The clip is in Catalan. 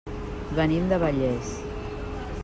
Venim de Vallés.